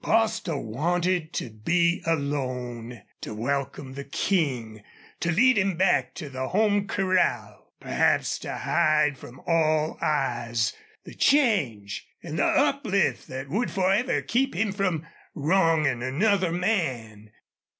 Bostil wanted to be alone, to welcome the King, to lead him back to the home corral, perhaps to hide from all eyes the change and the uplift that would forever keep him from wronging another man.